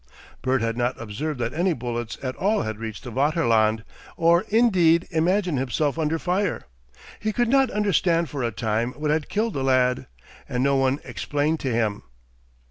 Bert had not observed that any bullets at all had reached the Vaterland or, indeed, imagined himself under fire. He could not understand for a time what had killed the lad, and no one explained to him.